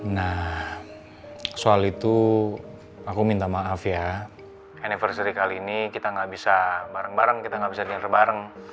nah soal itu aku minta maaf ya anniversary kali ini kita nggak bisa bareng bareng kita nggak bisa dengar bareng